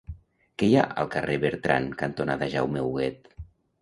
Què hi ha al carrer Bertran cantonada Jaume Huguet?